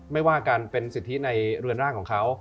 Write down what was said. ไม่ว่ากันเป็นสิทธิในเรือนร่างของเขา